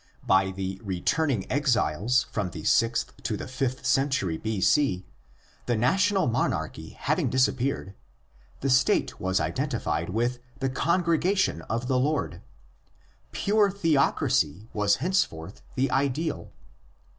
By the returning exiles from the sixth to the fifth century s.c.—the national omen, 10 THE ORIGINS OF CHRISTIANITY monarchy having disappeared—the State was identi fied with ''the congregation of the Lord." Pure theocracy was henceforth the ideal.